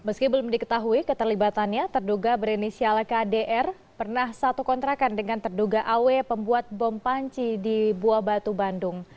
meski belum diketahui keterlibatannya terduga berinisial kdr pernah satu kontrakan dengan terduga aw pembuat bom panci di bua batu bandung